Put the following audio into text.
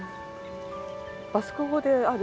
バスク語である？